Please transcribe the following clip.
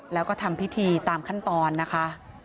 แล้วก็ทำพิธีตามขั้นตอนนะคะ